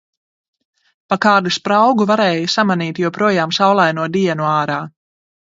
Pa kādu spraugu varēja samanīt joprojām saulaino dienu ārā.